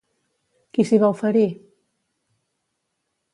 Qui s'hi va oferir?